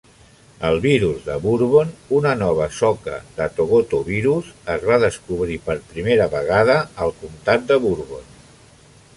El virus de Bourbon, una nova soca de thogotovirus, es va descobrir per primera vegada al comtat de Bourbon.